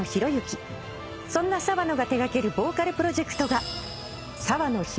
［そんな澤野が手掛けるボーカルプロジェクトが］